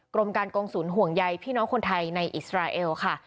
กรมการกงศูนย์ห่วงใยพี่น้องคนไทยในอิสราเอลค่ะ